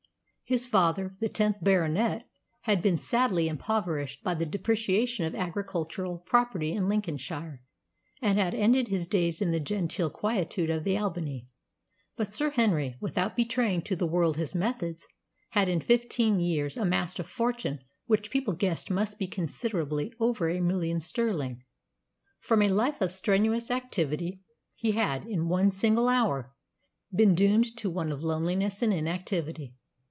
His father, the tenth Baronet, had been sadly impoverished by the depreciation of agricultural property in Lincolnshire, and had ended his days in the genteel quietude of the Albany. But Sir Henry, without betraying to the world his methods, had in fifteen years amassed a fortune which people guessed must be considerably over a million sterling. From a life of strenuous activity he had, in one single hour, been doomed to one of loneliness and inactivity.